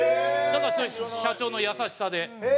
だからそれ社長の優しさで。